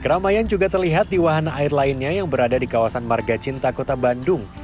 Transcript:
keramaian juga terlihat di wahana air lainnya yang berada di kawasan marga cinta kota bandung